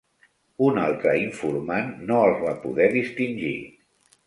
Un altre informant no els va poder distingir.